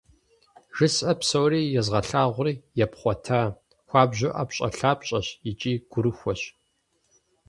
ЖысӀэ псори, езгъэлъагъури епхъуатэ, хуабжьу ӏэпщӏэлъапщӏэщ икӏи гурыхуэщ.